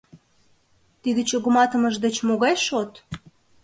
— Тиде чогыматымыже деч могай шот?